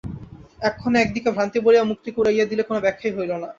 এক্ষণে একদিকে ভ্রান্তি বলিয়া মুক্তিকে উড়াইয়া দিলে কোন ব্যাখ্যাই হইল না।